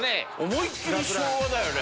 思いっ切り昭和だよね。